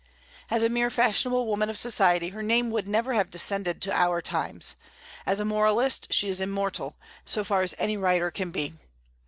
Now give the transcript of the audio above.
As a mere fashionable woman of society, her name would never have descended to our times; as a moralist she is immortal, so far as any writer can be.